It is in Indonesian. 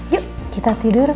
yuk kita tidur